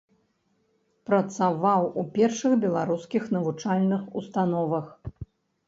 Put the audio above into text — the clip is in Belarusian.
Працаваў у першых беларускіх навучальных установах.